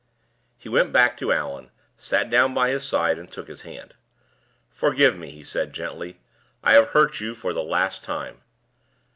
He went back to Allan, sat down by his side, and took his hand. "Forgive me," he said, gently; "I have hurt you for the last time."